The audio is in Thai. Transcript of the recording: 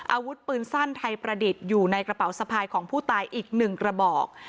อาวุธปืนสั้นไทยประดิษฐ์อยู่ในกระเป๋าสะพายของผู้ตายอีกหนึ่งกระบอก